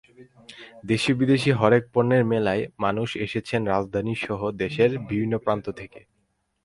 দেশি-বিদেশি হরেক পণ্যের মেলায় মানুষ এসেছেন রাজধানীসহ দেশের বিভিন্ন প্রান্ত থেকে।